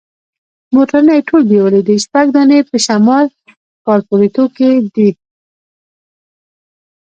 موټرونه یې ټول بیولي دي، شپږ دانې په شمالي کارپوریتو کې دي.